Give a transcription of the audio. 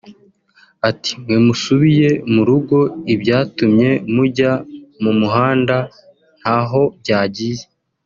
Ati “Mwe musubiye mu rugo ibyatumye mujya mu muhanda ntaho byagiye